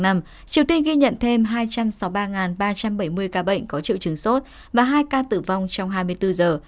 triều tiên ghi nhận thêm hai trăm sáu mươi ba ba trăm bảy mươi ca bệnh có triệu chứng sốt và hai ca tử vong trong hai mươi bốn giờ